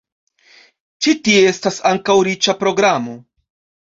Ĉi tie estas ankaŭ riĉa programo.